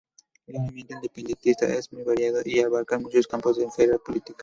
El movimiento independentista es muy variado y abarca muchos campos de la esfera política.